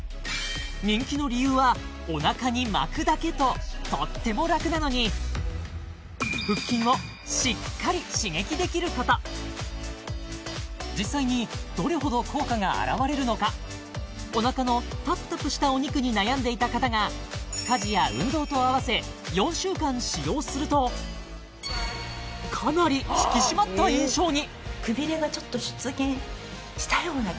人気の理由はお腹に巻くだけととっても楽なのに腹筋をしっかり刺激できること実際にどれほど効果が表れるのかお腹のタプタプしたお肉に悩んでいた方が家事や運動とあわせ４週間使用するとかなり引き締まった印象に！